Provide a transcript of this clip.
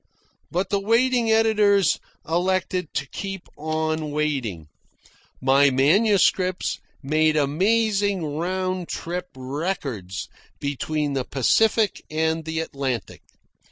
But the waiting editors elected to keep on waiting. My manuscripts made amazing round trip records between the Pacific and the Atlantic.